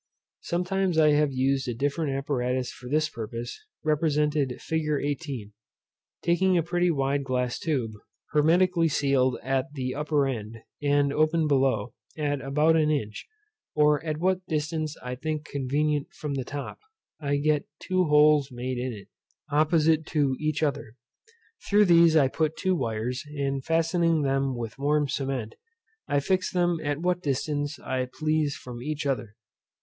Sometimes I have used a different apparatus for this purpose, represented fig. 18. Taking a pretty wide glass tube, hermetically sealed at the upper end, and open below, at about an inch, or at what distance I think convenient from the top, I get two holes made in it, opposite to each other. Through these I put two wires, and fastening them with warm cement, I fix them at what distance I please from each other.